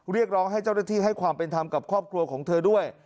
เรียกร้องให้เจ้าหน้าที่ให้ความเป็นธรรมกับครอบครัวของเธอด้วย